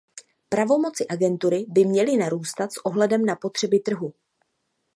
Pravomoci agentury by měly narůstat s ohledem na potřeby trhu.